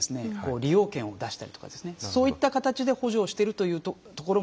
利用券を出したりとかですねそういった形で補助をしてるというところもですね